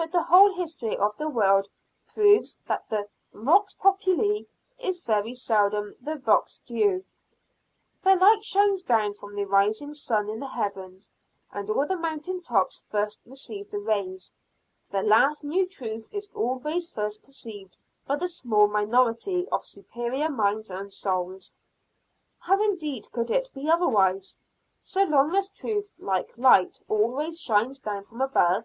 But the whole history of the world proves that the vox populi is very seldom the vox Dei. The light shines down from the rising sun in the heavens, and the mountain tops first receive the rays. The last new truth is always first perceived by the small minority of superior minds and souls. How indeed could it be otherwise, so long as truth like light always shines down from above?